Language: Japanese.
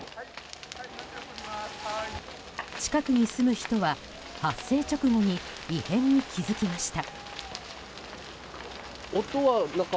近くに住む人は発生直後に異変に気付きました。